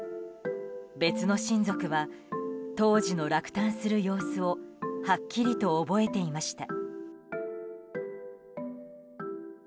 別の親族は当時の落胆する様子をはっきりと覚えていました。